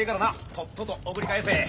とっとと送り返せ。